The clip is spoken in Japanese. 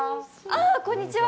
あ、こんにちは。